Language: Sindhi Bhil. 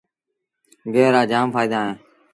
گيه رآ جآم ڦآئيدآ اوهيݩ۔